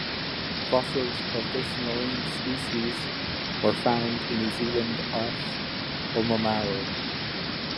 Fossils of this marine species were found in New Zealand off Oamaru.